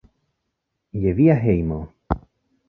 Je via hejmo!